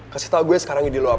kasih tau gue sekarang ide lo apa